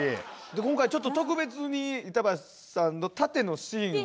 今回ちょっと特別に板橋さんの殺陣のシーンを。